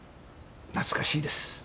懐かしいです。